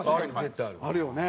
あるよね。